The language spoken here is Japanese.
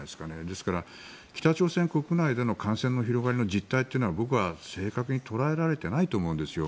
ですから、北朝鮮国内での感染の広がりの実態というのは僕は正確に捉えられていないと思うんですよ。